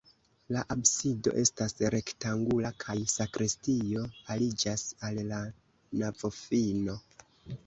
La absido estas rektangula kaj sakristio aliĝas al la navofino.